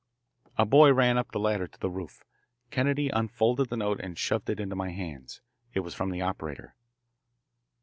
A boy ran up the ladder to the roof. Kennedy unfolded the note and shoved it into my hands. It was from the operator.